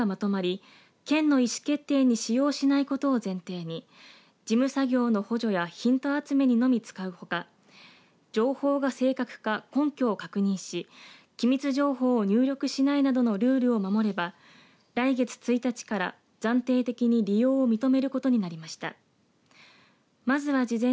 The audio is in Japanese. このほどガイドラインがまとまり県の意思決定に使用しないことを前提に事務作業の補助やヒント集めなどに使うほか情報が正確か、根拠を確認し機密情報を入力しないなどのルールを守れば来月１日から暫定的に利用を認めることになりました。